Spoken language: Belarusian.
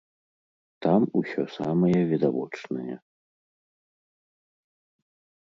Там усё самае відавочнае.